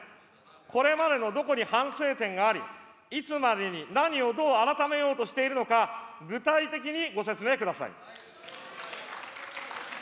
これまでのどこに反省点があり、いつまでに何をどう改めようとしているのか、具体的にご説明ください。